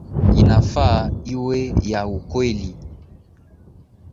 Inafaa iwe ya ukweli